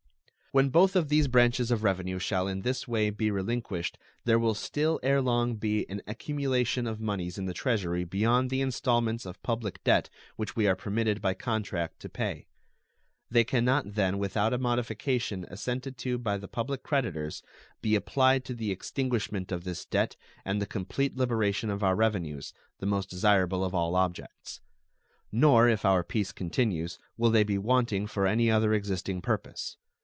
When both of these branches of revenue shall in this way be relinquished there will still ere long be an accumulation of moneys in the Treasury beyond the installments of public debt which we are permitted by contract to pay. They can not then, without a modification assented to by the public creditors, be applied to the extinguishment of this debt and the complete liberation of our revenues, the most desirable of all objects. Nor, if our peace continues, will they be wanting for any other existing purpose.